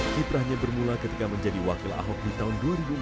kiprahnya bermula ketika menjadi wakil ahok di tahun dua ribu empat